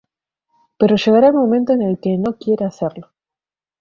Pero llegará el momento en el que no quiera hacerlo.